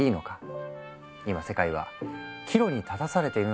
今世界は岐路に立たされているのかもしれないね。